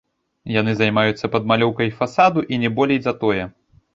Яны займаюцца падмалёўкай фасаду і не болей за тое.